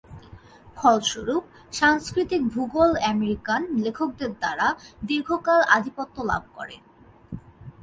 ফলস্বরূপ, সাংস্কৃতিক ভূগোল আমেরিকান লেখকদের দ্বারা দীর্ঘকাল আধিপত্য লাভ করে।